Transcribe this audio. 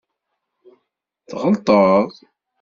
Tɣelṭeḍ.